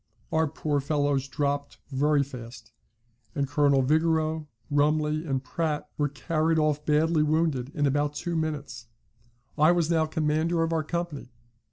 Our poor fellows dropped very fast, and Colonel Vigoureux, Rumley, and Pratt, were carried off badly wounded in about two minutes. I was now commander of our company.